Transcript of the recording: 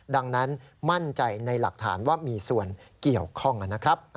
ดังนั้นมั่นใจในหลักฐานว่ามีส่วนเกี่ยวข้องนะครับ